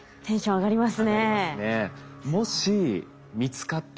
上がりますね。